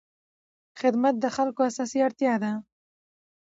خدمت د خلکو اساسي اړتیا ده.